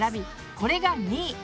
これが２位。